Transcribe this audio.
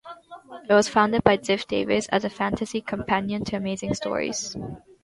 It was founded by Ziff Davis as a fantasy companion to "Amazing Stories".